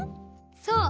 そう！